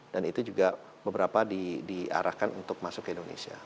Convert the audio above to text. dan itu juga beberapa diarahkan untuk masuk ke indonesia